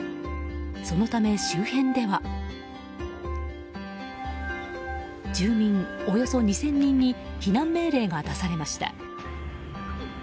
そのため、周辺では住民およそ２０００人に避難命令が出されました。